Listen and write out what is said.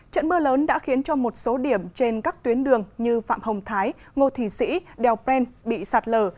trận mưa lớn đã khiến cho một số điểm trên các tuyến đường như phạm hồng thái ngô thị sĩ đèo pren bị sạt lở